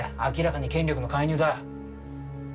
明らかに権力の介入だ。